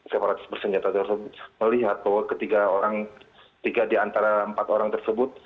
separatis bersenjata itu harus melihat bahwa ketiga orang tiga diantara empat orang tersebut